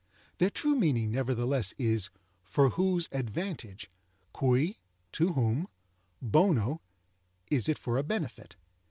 Their true meaning, nevertheless, is "for whose advantage." Cui, to whom; bono, is it for a benefit.